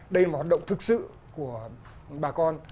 đây là hoạt động thực sự của bà con